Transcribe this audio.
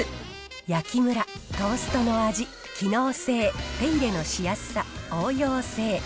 焼きむら、トーストの味、機能性、手入れのしやすさ、応用性。